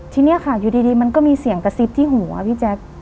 ทีนี้ค่ะอยู่ดีมันก็มีเสียงกระซิบที่หัวพี่แจ๊ค